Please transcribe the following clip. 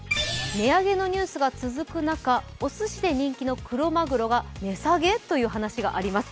値上げのニュースが続く中、おすしで人気のクロマグロが値下げという話もあります。